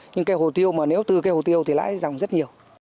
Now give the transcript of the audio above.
nhưng cây hồ tiêu mà nếu tư cây hồ tiêu thì lãi dòng rất nhiều